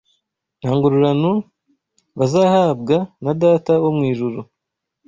nta ngororano bazahabwa na Data wo mu ijuru.